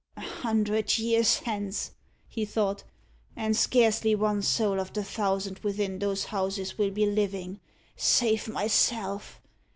"A hundred years hence," he thought, "and scarcely one soul of the thousands within those houses will be living, save myself.